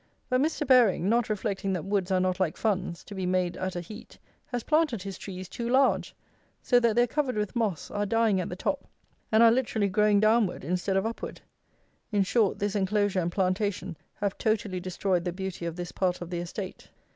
But Mr. Baring, not reflecting that woods are not like funds, to be made at a heat, has planted his trees too large; so that they are covered with moss, are dying at the top, and are literally growing downward instead of upward. In short, this enclosure and plantation have totally destroyed the beauty of this part of the estate.